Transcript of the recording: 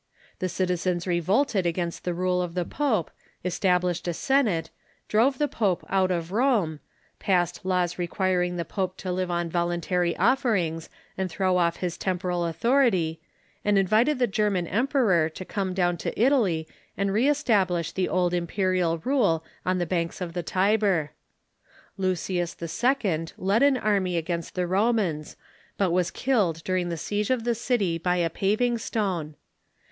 The citizens revolted against the rule of the pope, established a Senate, drove the pope out of Rome, passed laws requiring the pope to live on voluntary offerings and throw off his tem poral authority, and invited the German emperor to come down to Italy and re establish the old imperial rule on the banks of 152 THE MEDIAEVAL CHURCH the Tiber. Lucius II. led an aruiy against the Romans, but was killed during the siege of the city by a paving stone.